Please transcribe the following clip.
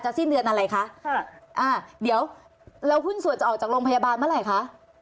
สิ้นเดือนอะไรคะค่ะอ่าเดี๋ยวแล้วหุ้นส่วนจะออกจากโรงพยาบาลเมื่อไหร่คะ